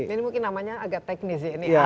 ini mungkin namanya agak teknis ya